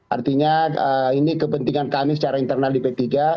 artinya ini kepentingan kami secara internal di p tiga